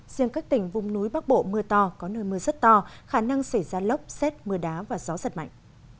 riêng các tỉnh vùng núi bắc bộ mưa to có nơi mưa rất to khả năng xảy ra lốc xét mưa đá và gió giật mạnh